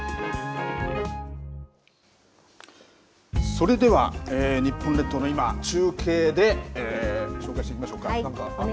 それでは、日本列島の今、中継で紹介していきましょうか。